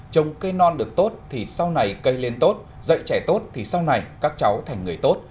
trồng cây non được tốt thì sau này cây lên tốt dạy trẻ tốt thì sau này các cháu thành người tốt